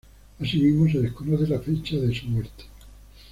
Asimismo se desconoce la fecha de su muerte.